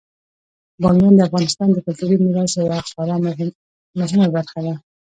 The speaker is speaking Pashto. بامیان د افغانستان د کلتوري میراث یوه خورا مهمه برخه ده.